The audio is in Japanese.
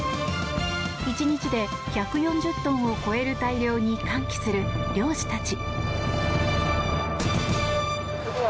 １日で１４０トンを超える大漁に歓喜する漁師たち。